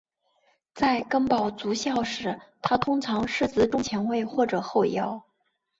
在根宝足校时他通常司职中前卫或者后腰。